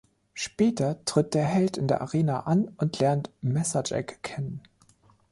Später tritt der Held in der Arena an und lernt Messer-Jack kennen.